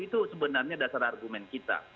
itu sebenarnya dasar argumen kita